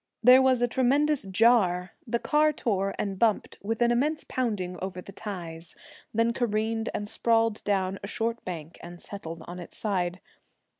There was a tremendous jar; the car tore and bumped with an immense pounding over the ties, then careened and sprawled down a short bank and settled on its side.